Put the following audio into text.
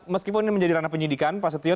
meskipun ini menjadi ranah penyidikan pak setio